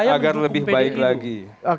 agar lebih baik lagi